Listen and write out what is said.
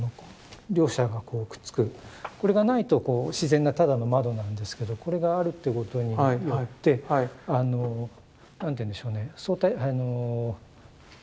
これがないとこう自然なただの窓なんですけどこれがあるっていうことによって何て言うんでしょうね。